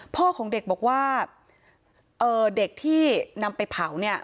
พ่อของเด็กบอกว่าเด็กที่นำไปเผาเนี่ย